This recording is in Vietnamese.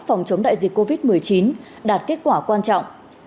phòng chống đại dịch covid một mươi chín đạt kết quả quan trọng